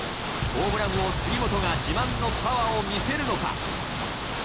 ホームラン王・杉本が自慢のパワーを見せるのか？